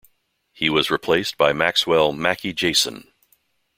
He was replaced by Maxwell "Mackie" Jayson.